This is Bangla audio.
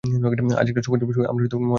আজ একটা শুভ দিন, আমরা মহাদেবের মন্দিরে আছি।